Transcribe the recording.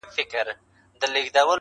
په دامنځ کي پیل هم لرو بر ځغستله-